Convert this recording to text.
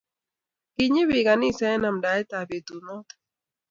Kinyi biik kanisa eng amdaet ab betut noto